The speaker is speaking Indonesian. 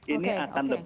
eh para masyarakat